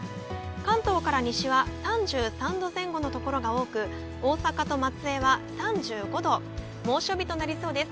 関東から西は３３度前後の所が多く大阪と松江は３５度猛暑日となりそうです。